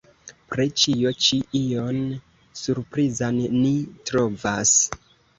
Pri ĉio ĉi ion surprizan ni trovas.